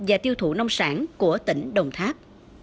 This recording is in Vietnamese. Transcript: và tiêu thủ nông sản của tỉnh đồng tháp